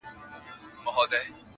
• ظلم په محکمه کي -